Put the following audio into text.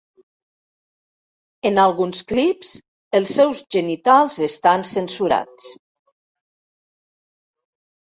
En alguns clips, els seus genitals estan censurats.